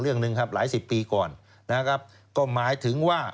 เรื่องหนึ่งครับหลายสิบปีก่อนนะครับก็หมายถึงว่า